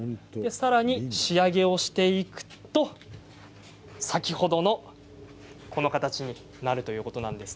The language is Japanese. さらに仕上げをしていくと先ほどのこの形になるということです。